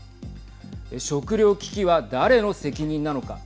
食料危機は誰の責任なのか。